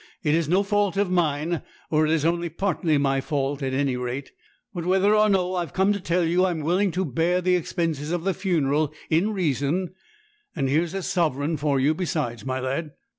It is no fault of mine; or it is only partly my fault, at any rate. But, whether or no, I'm come to tell you I'm willing to bear the expenses of the funeral in reason; and here's a sovereign for you besides, my lad.'